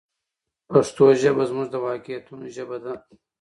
پښتو ژبه زموږ د واقعیتونو ژبه ده.